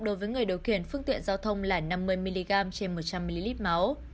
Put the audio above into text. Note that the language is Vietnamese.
đối với người điều khiển phương tiện giao thông là năm mươi mg trên một trăm linh ml máu